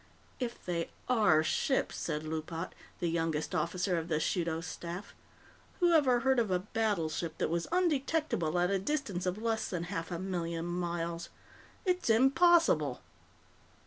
"If they are ships," said Loopat, the youngest officer of the Shudos staff. "Who ever heard of a battleship that was undetectable at a distance of less than half a million miles? It's impossible!"